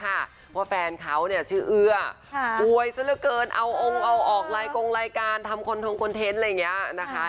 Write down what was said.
เพราะว่าแฟนเขาเนี่ยชื่อเอื้ออวยซะละเกินเอาองค์เอาออกรายกงรายการทำคอนทงคอนเทนต์อะไรอย่างนี้นะคะ